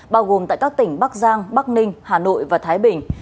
bao gồm tại các tỉnh bắc giang bắc ninh hà nội và thái bình